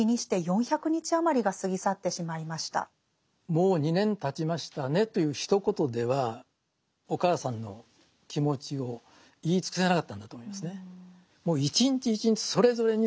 もう２年たちましたねというひと言ではお母さんの気持ちを言い尽くせなかったんだと思いますね。